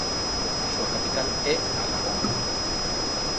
A súa capital é Alagón.